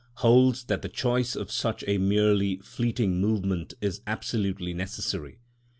8), holds that the choice of such a merely fleeting movement is absolutely necessary.